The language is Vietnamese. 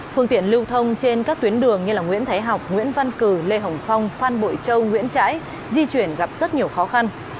phương tiện lưu thông trên các tuyến đường như nguyễn thái học nguyễn văn cử lê hồng phong phan bội châu nguyễn trãi di chuyển gặp rất nhiều khó khăn